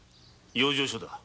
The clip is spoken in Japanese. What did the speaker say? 養生所だ。